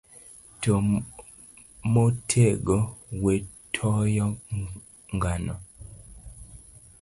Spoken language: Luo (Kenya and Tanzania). Ti motego, we toyo ngona